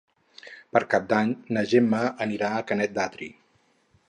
Per Cap d'Any na Gemma anirà a Canet d'Adri.